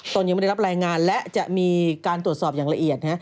ตนยังไม่ได้รับรายงานและจะมีการตรวจสอบอย่างละเอียด